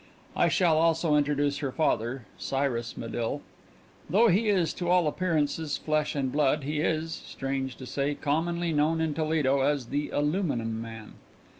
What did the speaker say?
I shall also introduce her father, Cyrus Medill. Though he is to all appearances flesh and blood, he is, strange to say, commonly known in Toledo as the Aluminum Man.